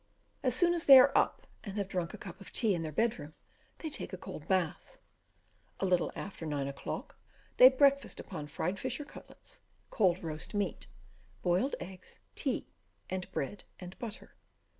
As soon as they are up, and have drunk a cup of tea in their bed room, they take a cold bath. A little after 9 o'clock, they breakfast upon fried fish or cutlets, cold roast meat, boiled eggs, tea, and bread and butter.